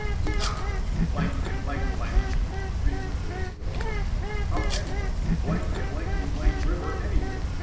"Stop! you blankety blank blanks!" shriek the police boats. "How can we? blank the blankety blank river, anyway!"